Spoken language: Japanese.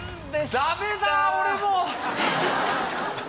ダメだ俺もう。